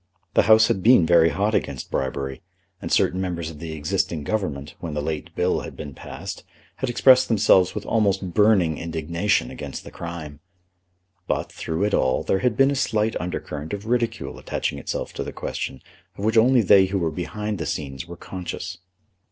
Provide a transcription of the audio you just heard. The House had been very hot against bribery, and certain members of the existing Government, when the late Bill had been passed, had expressed themselves with almost burning indignation against the crime. But, through it all, there had been a slight undercurrent of ridicule attaching itself to the question of which only they who were behind the scenes were conscious.